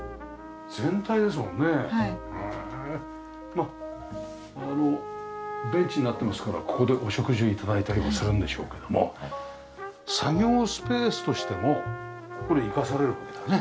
まあベンチになってますからここでお食事を頂いたりもするんでしょうけども作業スペースとしてもこれ生かされるわけだね。